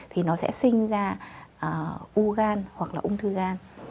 thì nó sẽ sinh ra u gan hoặc là ung thư gan